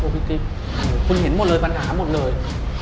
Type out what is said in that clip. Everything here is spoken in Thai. คุณเห็นหมดเลยปัญหาหมดเลย